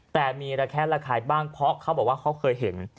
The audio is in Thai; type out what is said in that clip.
แต่มีระแคะระคายบ้างเพราะเขาบอกว่าเขาเคยเห็น